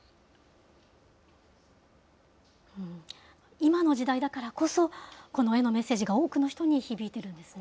今の時代だからこそ、この絵のメッセージが多くの人に響いてるんですね。